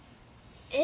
え？